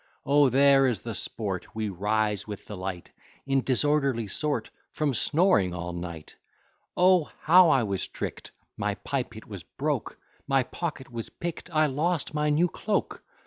O there is the sport! We rise with the light In disorderly sort, From snoring all night. O how was I trick'd! My pipe it was broke, My pocket was pick'd, I lost my new cloak.